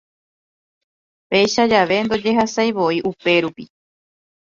Péicha jave ndojehasaivoi upérupi.